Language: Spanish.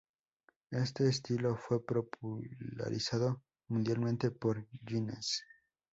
Este estilo fue popularizado mundialmente por Guinness.